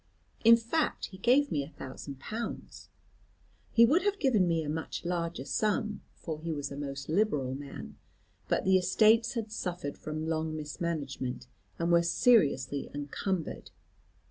In fact he gave me a thousand pounds. He would have given me a much larger sum, for he was a most liberal man, but the estates had suffered from long mismanagement, and were seriously encumbered.